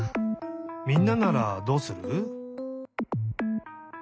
みんなならどうする？